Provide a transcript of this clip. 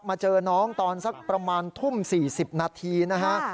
เจอน้องตอนสักประมาณทุ่ม๔๐นาทีนะฮะ